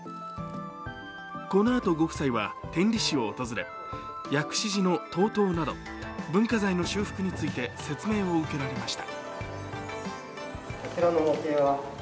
このあと、ご夫妻は天理市を訪れ、薬師寺の東塔など文化財の修復について説明を受けられました。